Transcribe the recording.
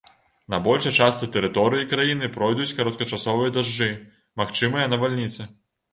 На большай частцы тэрыторыі краіны пройдуць кароткачасовыя дажджы, магчымыя навальніцы.